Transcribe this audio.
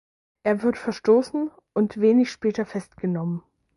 Er wird verstoßen und wenig später festgenommen.